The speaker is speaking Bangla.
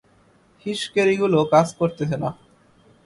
হিসকেড়িগুলো কাজ করছে না।